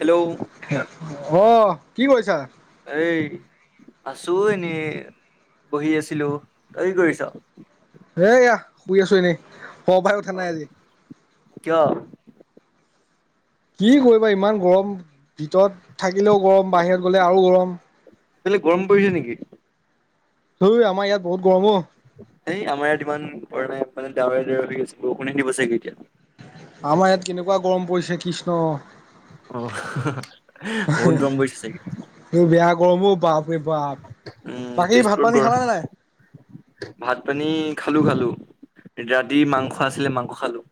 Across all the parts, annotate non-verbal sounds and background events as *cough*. Hello অহ, কি কৰিছা? আছোঁ এনে, বহি আছিলোঁ তই কি কৰিছ? এইয়া, শুই আছোঁ এনেই শুৱাৰ পৰা উঠা নাই আজি। কিয়? কি কৰিবা ইমান গৰম। ভিতৰত থাকিলেও গৰম বাহিৰত গ'লে আৰু গৰম। সেইফালে গৰম পৰিছে নেকি? তুই আমাৰ ইয়াত বহুত গৰম অ, সেই আমাৰ ইয়াত ইমান পৰা নাই। মানে ডাৱৰ ডাৱৰে হৈ আছে বৰষুণে দিব চাগে এতিয়া। আমাৰ ইয়াত কেনেকুৱা গৰম পৰিছে কৃষ্ণ আহ বহুত গৰম পৰিছে চাগে? এই বেয়া গৰম অ' বাপৰে বাপ। উম', বাকী ভাত তেজপুৰত পানী গৰ খালা নে নাই? ভাত পানী খালো খালো ৰাতি মাংস আছিলে মাংস খালো।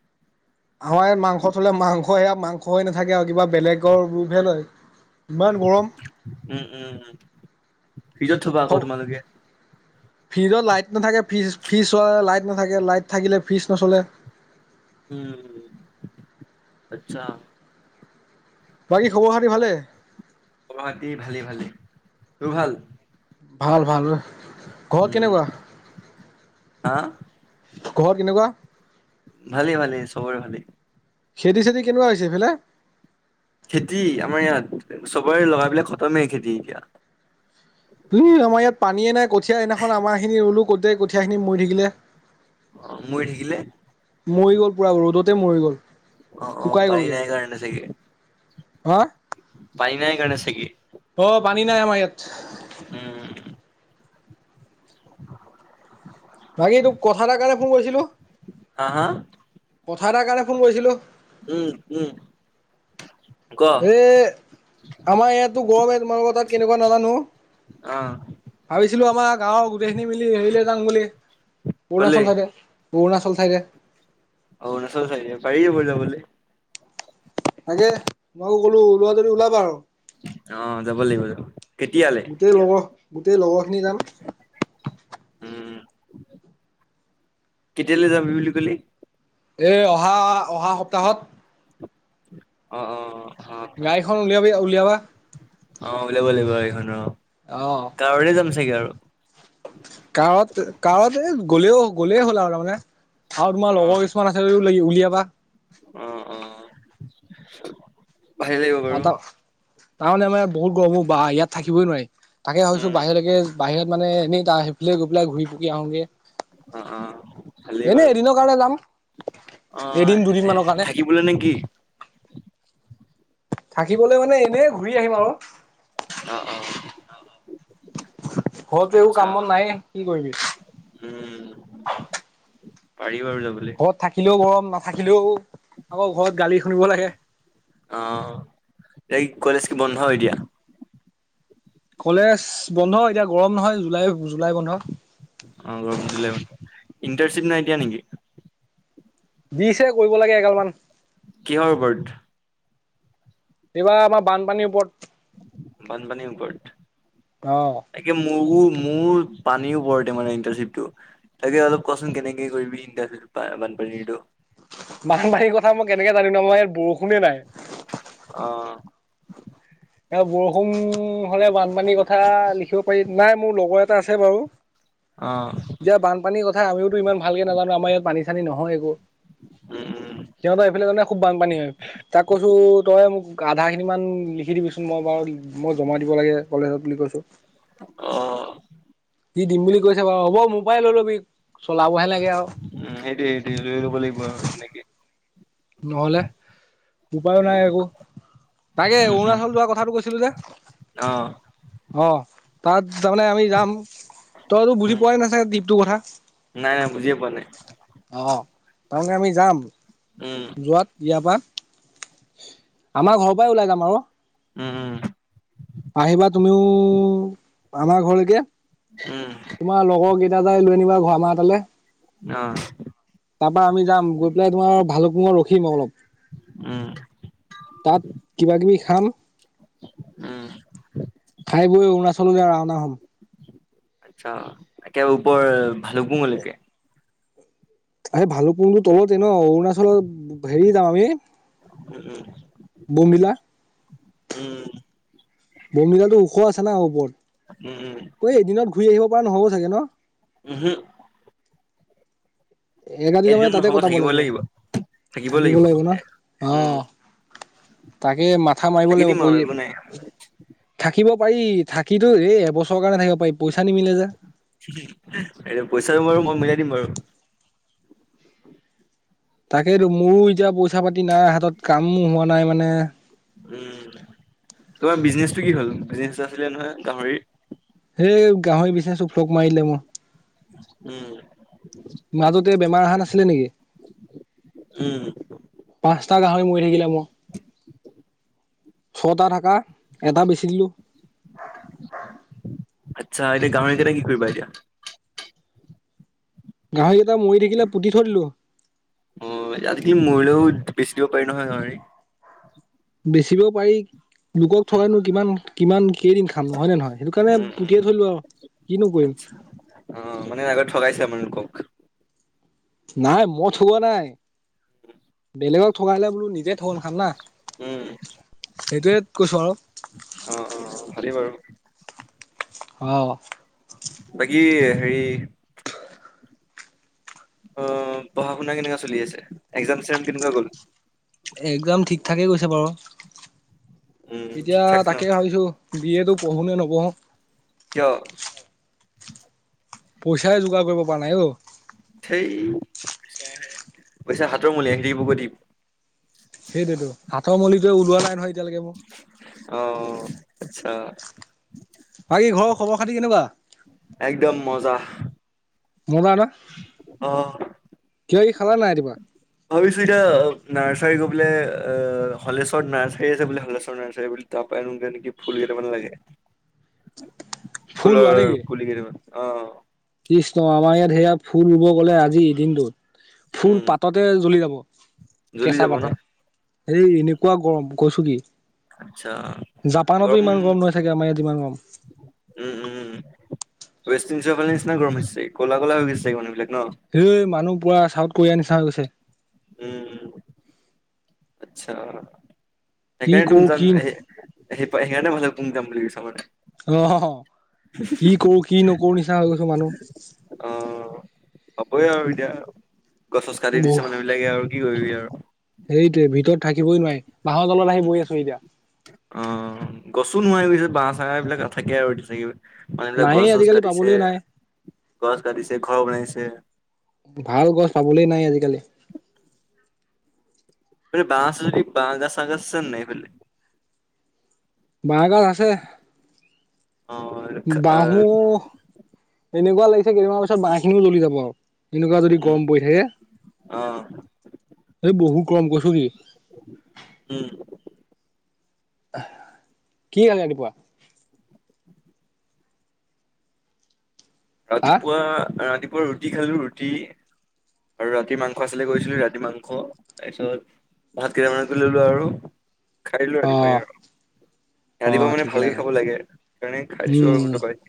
আমাৰ ইয়াত মাংস থলে মাংস সেয়া মাংস হৈ নাথাকে আৰু কিবা বেলেগৰ ৰূপহে লয়। ইমান গৰম উম উম উম', ফিজত থবা আকৌ তোমালোকে ফিজত লাইট নাথাকে। ফিজ ফিজ চলালে লাইট নাথাকে লাইট থাকিলে ফিজ নচলে। উম', আচ্ছা, বাকী খবৰ খাতি ভালেই। বাকী ভালে ভালে, তোৰ ভাল। ভাল ভাল'। ঘৰত উম', কেনেকুৱা হা ঘৰত কেনেকুৱা? ভালেই ভালেই সবৰে ভালেই। খেতি চেতি কেনেকুৱা হৈছে এইফালে? খেতি আমাৰ ইয়াত চবৰে লগাবিলাক খতমেই খেতি এতিয়া। ই- আমাৰ ইয়াত পানীয়ে নাই, কঠীয়া সেইদিনাখন আমাৰ খিনি ৰুলো গোটেই কঠীয়া খিনি মৰি থাকিলে। অ', মৰি থাকিলে? মৰি গ'ল পুৰা, ৰ'দতে মৰি গ'ল। অ', অ', শুকাই পানী গ'লগে নাই কাৰণে চাগে, হা পানী নাই কাৰণে চাগে। অ', পানী নাই আমাৰ ইয়াত। উম'। *inaudible* বাকী তোক কথা এটাৰ কাৰণে ফোন কৰিছিলোঁ হা, হা? কথা এটাৰ কাৰণে ফোন কৰিছিলোঁ। উম', উম'। ক এ আমাৰ ইয়াতো গৰমে তোমালোকৰ তাত কেনেকুৱা নাজানো। অ ভাবিছিলো, আমাৰ গাঁৱৰ গোটেইখিনি মিলি হেৰিলৈ যাম বুলি কলে অৰুণাচল চাইডে। অৰুণাচল চাইডে। অৰুণাচল চাইডে? পাৰি এবাৰ যাবলে। তাকে তোমাকো কলো ওলোৱা যদি ওলাবা আৰু। অ', যাব লাগিব যাব কেতিয়ালে গোটেই লগৰ, গোটেই লগৰ খিনি যাম। উম', কেতিয়ালে যাবি বুলি কলি? এ অহা অহা সপ্তাহত। অঁ অঁ। গাড়ীখন উলিয়াবি উলিয়াবা। অ ওলিয়াব লাগিব এইখনৰ অ কাৰতে যাম ছাগে আৰু। কাৰত কাৰত এই গ'লেও গ'লেই হ'ল আৰু তাৰমানে। আৰু তোমাৰ অ লগৰ কিছুমান আছে যদিও উলিয়াবা। অ অ ভালে লাগিব বাৰু। তাৰমানে আমাৰ ইয়াত বহুত গৰম ঔ বা ইয়াত থাকিবই নোৱাৰি তাকে ভাৱিছো উম বাহিৰলেকে বাহিৰত মানে এনেই তা সেইফালে গৈ পেলাই ঘূৰি পকি আহোঁগে। অঁ অ ভালেই বাৰু। এদিনৰ কাৰণে যাম। এদিন দুদিন অহ মানৰ কাৰণে থাকিবলে নেকি? থাকিবলৈ মানে এনেই ঘূৰি আহিম আৰু। অ, অ'। ঘৰতো একো আচ্ছা কাম-বন‌ নাই কি কৰিবি? উম, পাৰি। বাৰু যাবলে। ঘৰত থাকিলেও গৰম, নাথাকিলেও আকৌ ঘৰত গালি শুনিব লাগে। অ', এই কলেজ কি বন্ধ এতিয়া? কলেজ বন্ধ এতিয়া গৰম নহয় জুলাই, জুলাই বন্ধ। অ' গৰম দিলে মানে ইণ্টাৰ চিট নাই দিয়া নেকি? দিছে কৰিব লাগে এগাল মান। কিহৰ ওপৰত? কিবা আমাৰ বানপানীৰ ওপৰত। বানপানীৰ ওপৰত অ', তাকে মোৰ মোৰ পানীও ওপৰতে মানে ইণ্টাৰশ্বিপ টো তাকে অলপ কচোন কেনেকে কৰিবি ইণ্টাৰ্ণশ্চিপ বানপানীৰটো বানপানীৰ কথা মই কেনেকে জানিম? আমাৰ ইয়াত বৰষুণে নাই। অহ। এ বৰষুণ হ'লে বানপানীৰ কথা লিখিব পাৰি। নাই মোৰ লগৰ এটা আছে বাৰু। অ', এতিয়া বানপানীৰ কথা আমিওতো ইমান ভালকে নাজানো। আমাৰ ইয়াত পানী-চানী নহয় একো। উম, উম, সিহঁত এইফালে *unintelligible* খুব বানপানী হয়, তাক কৈছো তই মোক আধা খিনি মান লিখি দিবিচোন মই বাৰু মই জমা দিব লাগে কলেজত বুলি কৈছো। অ দি দিম বুলি কৈছে বাৰু হ'ব মোৰ পৰা লৈ ল'বি চলাবহে লাগে। আৰু উম সেইটোৱে সেইটোৱে লৈ লব লাগিব আৰু নেকি? নহলে উপায়ো নাই উম, একো। তাকে উম, উম, অৰুণাচল যোৱা কথাটো কৈছিলো যে অ', অ তাত তাৰমানে আমি যাম তইতো বুজি উম, পোৱাই নাই চাগে টিপটো কথা? অ *unintelligible* তাৰমানে আমি যাম উম, যোৱাত ইয়াৰ পৰা আমাৰ ঘৰৰ পৰাই ওলাই যাম আৰু। উম, উম, আহিবা তুমিও। আমাৰ ঘৰলৈকে উম, তোমাৰ লগৰ কেইটা যাই লৈ আনিবা আমাৰ তালে। অ তাৰ পৰা আমি যাম গৈ পেলাই তোমাৰ ভালুক মুখত ৰখিম অলপ। উম, তাত কিবা-কিবি খাম। উম। খাই-বৈ অৰুণাচললৈ ৰাওনা হ'ম। আচ্ছা একেবাৰে ওপৰ ভাল কুঙলৈকে? আ ভালুপুংটো তলতে ন অৰুণাচলত হেৰি যাম আমি। উম উম বমডিলা বমিডিলাটো ওখ আছে না ওপৰত উম উম উম কঐ এদিনত ঘুৰি আহিব পৰা নহ'ব চাগে ন উহো এক ৰাতি টাতে মানে তাতে হ'ব কটাব থাকিব লাগিব থাকিব লাগিব ন অ উম তাকে মাথা মাৰিব থাকি লাগিব দিম আৰু পৰি একো নাই থাকিব পাৰি থাকিতো দেই এবছৰৰ কাৰণে থাকিব পাৰি পইচা নিমিলে যে এয়া পইচাটো বাৰু মই মিলাই দিম বাৰু তাকেইতো মোৰো এতিয়া পইচা পাতি নাই হাতত কামো হোৱা নাই মানে উম তোমাৰ বিজনেচটো কি হ'ল বিজনেচ আছিলে নহয় গাহৰি সেই গাহৰি বিচাৰ চো ফোক মাৰিলে মোক উম মাজতে বেমাৰ অহা নাছিলে নেকি উম পাঁচটা গাহৰি ম থাকে ম ছটা থাকা এটা বেচি দিলো আচ্ছা এতিয়া গাহৰিকেইটা কি কৰিবা এতিয়া গাহৰিকেইটা মৰি থাকিলে পুতি থৰিলো অ আজিকালি মৰিলেও বেছি দিব পাৰি নহয় ন বেচিবও পাৰি লোকক উম থয়নো কিমান কিমান কেইদিন খাম নহয় নে নহয় সেইটো কাৰণে উম উম, পঠিয়াই থৈলো আৰু কি নকৰিম আচ্ছা অ মানে আগত ঠগাইছে আপালোকক নাই মই থোৱা নাই বেলেগক থকিলে বোলো নিজে থ খান না উম সেইটোৱে কৈছো আৰু অ অ ভালেই বাৰু অ সেৰি অ পঢ়া শুনা কেনেকুৱা চলি আছে, একজাম চেকজাম কেনেকুৱা গ'ল? থাকে গৈছে বাৰু, উম এতিয়া ঠিক ঠাক ন তাকে ভাবিছো বি এটো পঢ়ো নে নপঢ়ো? কিয়? পইচাই যোগাৰ কৰিব পৰা নাই অ। ধেই, পইচা হাতৰ মইলা *unintelligible* সেইটোতো হাতৰ মলিটে ওলোৱা নাই নহয় এতিয়ালৈকে মোৰ। অ আচ্ছা। বাকী ঘৰৰ খবৰ খাতি কেনেকুৱা? একদম মজা। মজা ন অ কিবা কিবি খালা নাই ৰাতিপুৱা ভাবিছোঁ এতিয়া নাৰচ *unintelligible* হলেশ্বৰ নাৰ্চাৰী আছে বুলে হলেশ্বৰ নাৰ্চাৰী বুলি তাৰপৰাই ৰুৱগে নেকি ফুল কেইটামান *unintelligible* *unintelligible* ফুল ৰোৱা ফুলৰ নেকি পুলি কেইটামান অ। কৃষ্ণ আমাৰ ইয়াত সেয়া ফুল ৰুব গ'লে আজি দিনটোত ফুল উম পাততে জ্বলি যাব, জ্বলি কেঁচা যাব ন পাতে, সেই এনেকুৱা গৰম প কৈছো কি, আচ্ছা জাপানতো ইমান গৰম নহয় চাগে আমাৰ ইয়াত যিমান গৰম। উম উম উম ৱেষ্ট ইজৰ ফালে নিচিনা গৰমছে ক'লা কলা হৈ গৈছে মুহবিলাক। হেই মানুহ পুৰা চাউথ কোৰিয়াৰ নিচিনা হৈ গৈছে। উম আচ্ছা। কি কৰো কি সেইকাৰনে *unintelligible* অ, *unintelligible* কি কৰো কি নকৰো নিচনা হৈ গৈছে মানুহ। অ, হবই আৰু এতিয়া গছ-চছ কাটি দিছে মানুহ বিলাকে আৰু কি কৰিবি আৰু। সেইটোৱে ভিতৰত থাকিবই নোৱায়ে বাঁহৰ তলত আহি বৈ আছো এতিয়া। অ গছো নোহাৱা গৈছে বাঁহ চাহ এইবিলাক নাথাকে আৰু এতিয়া থাকিব মানুহবিলাক নায়েই গছ- চছ আজিকালি কাটিছে। পাবলৈ নাই গছ কাটিছে, ঘৰ বনাইছে। ভাল গছ পাবলৈ নাই আজিকালি *unintelligible* বাহঁ আছে যদি বাহঁ গাজ চাহ গাজ আছে নে নাই এইফালদি? বাঁহ গাজ আছে অ বাহো আহ এনেকুৱা লাগিছে কেইদিনমান পাছত বাহঁ খিনিও জ্বলি যাব আৰু। এনেকুৱা যদি উম গৰম পৰি থাকে অ এ বহুত গৰম কৈছোঁ কি? উম, আহ, কি গাল *unintelligible* হা ৰাতিপুৱা -ৰাতিপুৱা ৰুটি খালো ৰুটি আৰু ৰাতিৰ মাংস আছিলে গৈছিলো ৰাতি মাংস তাৰপিছত ভাত কেইটামানকে ললো আৰু খাই দিলো অ ৰাতিপুৱাই আৰু। অ ৰাতিপুৱা মানে ঠিকে ভালকে আছে খাব লাগে সেইকাৰণে খাই দিছো আৰু উম দবাই।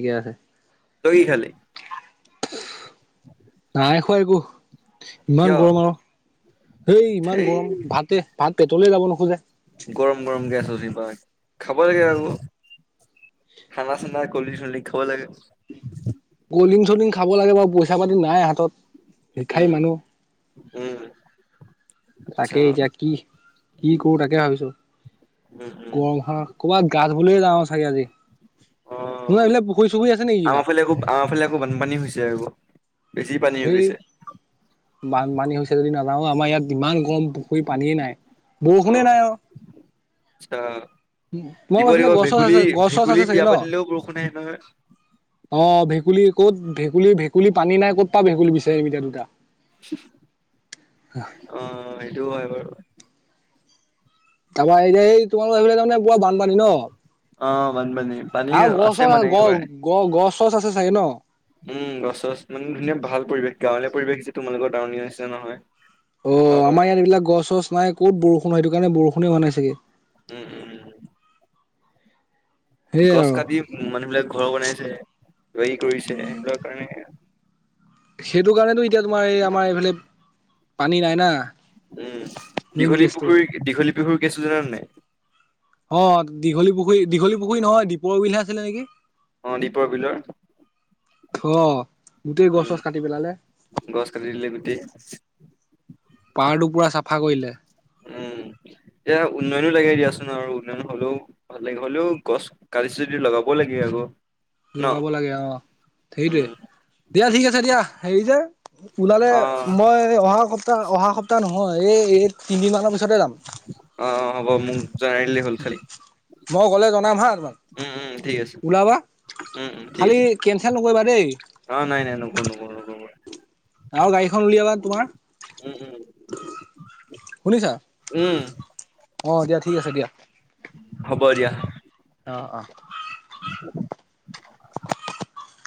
*unintelligible* তই কি খালি? নাই খোৱা একো। ইমান কিয় গৰম আৰু হেই ইমান সেই গৰম ভাতে ভাত পেটলে যাব নোখোজে। গৰম-গৰম গেছ হচি পাই খাব *unintelligible* ঠাণ্ডা -চান্দা কলদৃং-চলদৃং খাব লাগে। কলিং - চলিং খাব লাগে বাৰু পইচা পাতি নায়ে হাতত ভিক্ষাৰী উম মানুহ। উম। তাকে আচ্ছা এতিয়া কি কি কৰো তাকে ভাবিছো। উম উম গৰম খনত ক'ৰবাত গা ধুবলে যাওঁ চাগে আজি অ ন এইবিলাক পু আমাৰ ফালে আকৌ আমাৰ ফালে আকৌ বানপানী হৈছে আক বেছি পানী হৈ সেই গৈছে। বানপানী হৈছে যদি নাজাও আমাৰ ইয়াত ইমান গৰম। পুখুৰী পানীয়ে নাই বৰষুণে নাই অ। আচ্ছা। দিব তোমালোকৰ দিব সেইফালে গছ চছ ভেকুলী আছে গছ চছ ভেকুলী আছে চাগে বিয়া ন পাতিলেও বৰষুণ অ ভেকুলী ক'ত ভেকুলী ভেকুলী পানী নাই ক'ত পা ভেকুলী বিচাৰিম এতিয়া দুটা। অ' সেইটো হয় বাৰু। তাৰপা এই যে এই তোমাৰ। অ'সেইফালে তাৰমানে পোৰা বানপানী ন অ বানপানী পানী আৰু আছে মানে গছৰ গ একেবাৰে গছ গছ খৰছ আছে চাগে ন। উম। গছ চছ মানে ধুনীয়া ভাল পৰিৱেশ গাঁৱলীয়া পৰিৱেশ হৈছে তোমালোকৰ টাউনৰ নিচিনা নহয়। অ ভাল আৰু আমাৰ ইয়াত এইবিলাক গছ চছ নাই ক'ত বৰষুণ হয়। সেইটো কাৰণে বৰষুণ হোৱা নাই চাগে। উম, উম। সেয়াই গছ আৰু কাটি মানুহ বিলাক ঘৰ বনাইছে খৰি কৰিছে। সেইবিলাক কাৰণে সেইটো কাৰণেতো এতিয়া তোমাৰ এই আমাৰ এইফালে পানী নাই না। উম। মেইন দীঘলী কেচটোৰ পুখুৰী দীঘলী পুখুৰী কেঁচু জানা নে নাই। অ'দীঘলী পুখুৰী দীঘলী পুখুৰী নহয়। দীপৰ বিলহে আছিলে নেকি। অ'দীপৰ বিলৰ। হ গোটেই গছ চছ উম কাটি পেলালে গছ কাটি দিলে গোটেই পাৰটো পুৰা। চাফা কৰিলে। উম এয়া উন্নয়নো লাগে দিয়াচোন আৰু উন্নয়ন হ'লেও ভাল লাগে হ'লেও গছ কাটিছে। যদি লগাব লাগে আকৌ। ন লগাব লাগে অ সেইটোৱে। উম দিয়া ঠিক আছে দিয়া হেৰি যে ওলালে, অ মই অহা সপ্তাহ অহা সপ্তাহ নহয়। অ' এই তিনিদমানৰ পিছতে যাম। অ' হ'ব মোক জনাদিলেই হ'ল খালি। মই গ'লে জনাম হা। উম, উম। ঠিক আছে। উম উম ঠিক খালী আছে কেনচেল নকৰিবা দেই। অ নাই নাই নকো নকো নো ন। আৰু গাড়ীখন উলিয়াবা তোমাৰ। উম, উম, শুনিছা উম, উম। অ' দিয়া ঠিক আছে দিয়া। ব দিয়া। আহ, আহ।